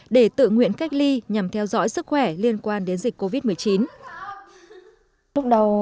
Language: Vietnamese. để tự nguyện cách ly nhằm theo dõi sức khỏe liên quan đến dịch covid một mươi chín